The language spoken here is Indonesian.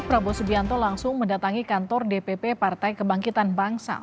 prabowo subianto langsung mendatangi kantor dpp partai kebangkitan bangsa